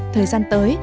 thời gian tới